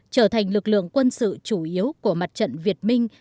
trở thành lực lượng quân sự chủ yếu của mặt trận việt minh